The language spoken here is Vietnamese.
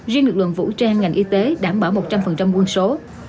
riêng lực lượng vũ trang ngành y tế đảm bảo một trăm linh quân số